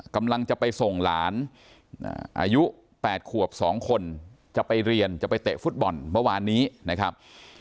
กำลังจะไปส่งหลานอายุ๘ขวบ๒คนจะไปเรียนจะไปเตะฟุตบอลเมื่อวานนี้นะครับ